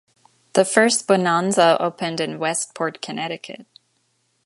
The first Bonanza opened in Westport, Connecticut.